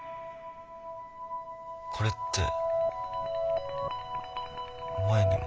これって前にも？